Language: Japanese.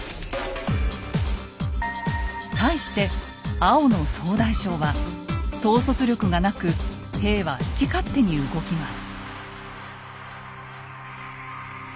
対して青の総大将は統率力がなく兵は好き勝手に動きます。